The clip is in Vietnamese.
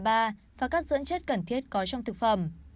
và các dưỡng chất cần thiết có trong thực phẩm